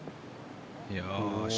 よし。